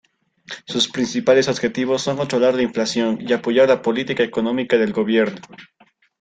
Sus principales objetivos son controlar la inflación y apoyar la política económica del Gobierno.